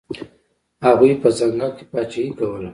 هغوی په ځنګل کې پاچاهي کوله.